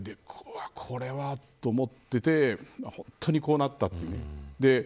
これは、と思っていて本当にこうなったという。